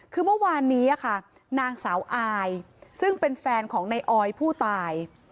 คือเมื่อวานนี้ค่ะนางสาวอายซึ่งเป็นแฟนของในออยผู้ตาย